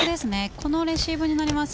このレシーブになります。